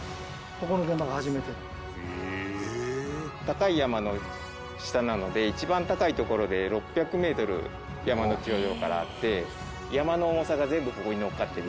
高い山の下なので一番高い所で６００メートル山の頂上からあって山の重さが全部ここにのっかっているっていう。